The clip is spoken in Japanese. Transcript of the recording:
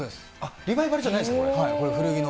リバイバルじゃないの。